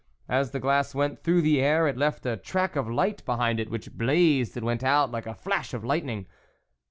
As the glass went through the air it left a track of light behind it, which blazed and went out like a flash of lightning.